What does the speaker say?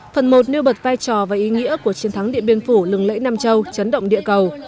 phần một nêu bật vai trò và ý nghĩa của chiến thắng điện biên phủ lừng lẫy nam châu chấn động địa cầu